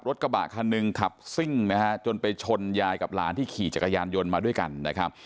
รถกระบะคันหนึ่งขับซิ่งนะฮะจนไปชนยายกับหลานที่ขี่จักรยานยนต์มาด้วยกันนะครับ